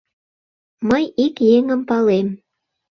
— Мый ик еҥым палем…